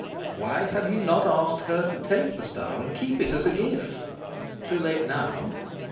Why had he not asked her to take the star and keep it as a gift? Too late now!